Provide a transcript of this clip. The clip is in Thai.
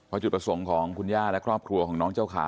เพราะจุดประสงค์ของคุณย่าและครอบครัวของน้องเจ้าขาว